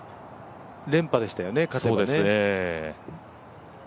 連覇でしたよね、勝てば。